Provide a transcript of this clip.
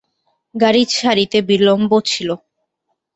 গাড়ি ছাড়িতে বিলম্ব ছিল।